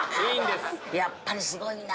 やっぱりすごいな！